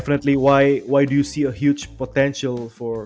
kenapa anda melihat potensi besar